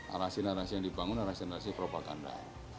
arasi arasi yang dibangun adalah arasi arasi propaganda